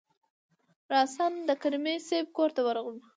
راسآ د کریمي صیب کورته ورغلو.